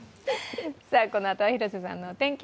このあとは広瀬さんのお天気。